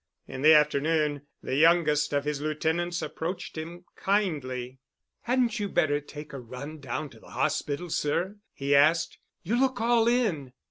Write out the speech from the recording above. In the afternoon, the youngest of his Lieutenants approached him kindly. "Hadn't you better take a run down to the hospital, sir?" he asked. "You look all in."